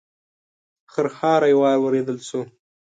خرهاری واورېدل شو.